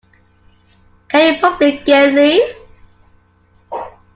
Can you possibly get leave?